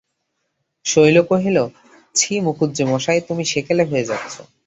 শৈল কহিল, ছি মুখুজ্যেমশায়, তুমি সেকেলে হয়ে যাচ্ছ।